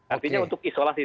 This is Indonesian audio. artinya untuk isolasi